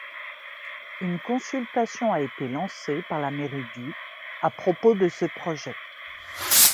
Une consultation a été lancée par la mairie du à propos de ce projet.